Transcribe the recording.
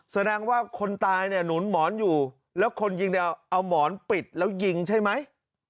แสดงว่าคนตายเนี่ยหนุนหมอนอยู่แล้วคนยิงเนี่ยเอาหมอนปิดแล้วยิงใช่ไหม